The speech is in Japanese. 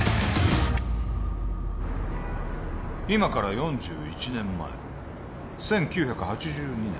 今から４１年前１９８２年